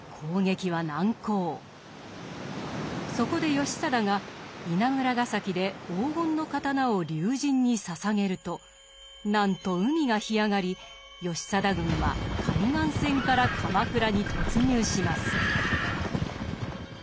そこで義貞が稲村ヶ崎で黄金の刀を竜神に捧げるとなんと海が干上がり義貞軍は海岸線から鎌倉に突入します。